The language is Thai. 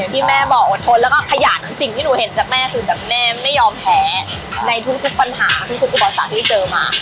ข้าบอกอดทนแล้วก็ขยานสิ่งที่ดูเห็นจากข้าแม่ไม่ยอมแพ้ในทุกคุณปัญหาทุ่นคุณอุบัสตะที่เจอมา